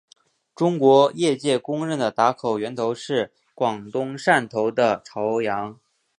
中国业界公认的打口源头是广东汕头的潮阳。